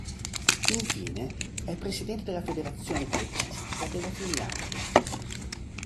Infine, è presidente della Federazione calcistica della Finlandia.